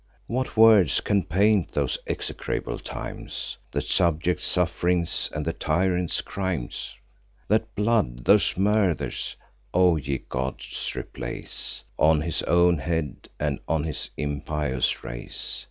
What words can paint those execrable times, The subjects' suff'rings, and the tyrant's crimes! That blood, those murders, O ye gods, replace On his own head, and on his impious race!